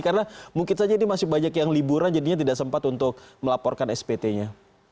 karena mungkin saja ini masih banyak yang liburan jadinya tidak sempat untuk melaporkan spt nya